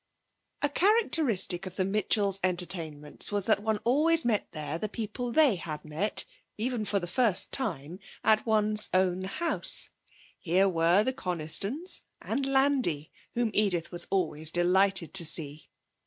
A characteristic of the Mitchells' entertainments was that one always met there the people they had met, even for the first time, at one's own house. Here were the Conistons, and Landi, whom Edith was always delighted to see.